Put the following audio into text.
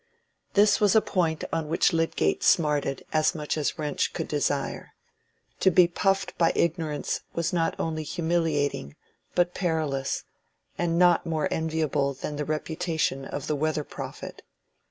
This was a point on which Lydgate smarted as much as Wrench could desire. To be puffed by ignorance was not only humiliating, but perilous, and not more enviable than the reputation of the weather prophet.